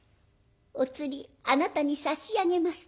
お釣りあなたに差し上げます。